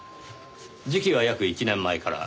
時期は約１年前から。